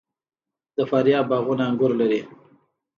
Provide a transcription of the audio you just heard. د فاریاب باغونه انګور لري.